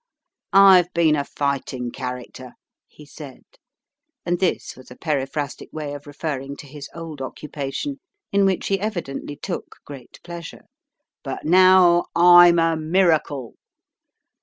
"I've been a fighting character," he said, and this was a periphrastic way of referring to his old occupation in which he evidently took great pleasure; "but now I'm a Miracle.